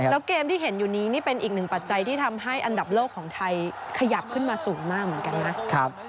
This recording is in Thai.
แล้วเกมที่เห็นอยู่นี้นี่เป็นอีกหนึ่งปัจจัยที่ทำให้อันดับโลกของไทยขยับขึ้นมาสูงมากเหมือนกันนะ